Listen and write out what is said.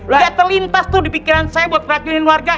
udah terlintas tuh di pikiran saya buat racunin warga